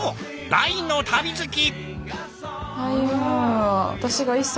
大の旅好き。